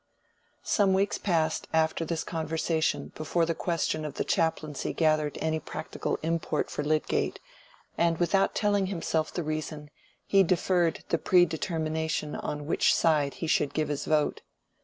Some weeks passed after this conversation before the question of the chaplaincy gathered any practical import for Lydgate, and without telling himself the reason, he deferred the predetermination on which side he should give his vote.